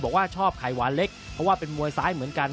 บอกว่าชอบไข่หวานเล็กเพราะว่าเป็นมวยซ้ายเหมือนกัน